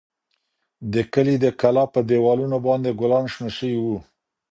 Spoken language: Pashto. د کلي د کلا په دېوالونو باندې ګلان شنه شوي وو.